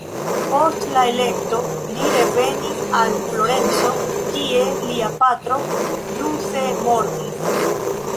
Post la elekto li revenis al Florenco, kie lia patro ĵuse mortis.